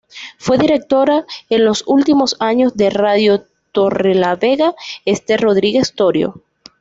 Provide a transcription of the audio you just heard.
Fue directora en los últimos años de Radio Torrelavega, Ester Rodríguez Torio.